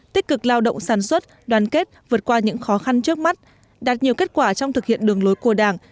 tích cực lao động sản xuất đoàn kết vượt qua những khó khăn trước mắt đạt nhiều kết quả trong thực hiện đường lối của đảng